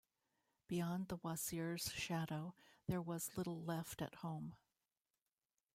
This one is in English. Beyond the Wasir's shadow, there was little left at home.